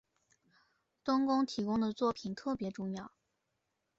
冬宫提供的作品特别重要。